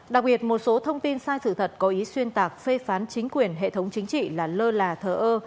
đặc biệt một số thông tin sai sự thật có ý xuyên tạc phê phán chính quyền hệ thống chính trị là lơ là thờ ơ